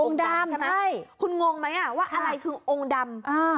องค์ดำใช่ไหมคุณงงไหมอ่ะว่าอะไรคือองค์ดำอ่า